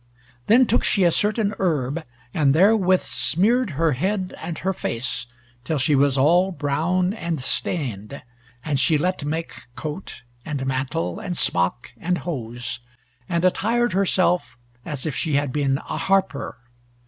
Then took she a certain herb, and therewith smeared her head and her face, till she was all brown and stained. And she let make coat, and mantle, and smock, and hose, and attired herself as if she had been a harper.